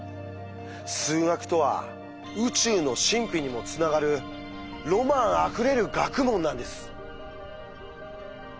数学とは宇宙の神秘にもつながるロマンあふれる学問なんです。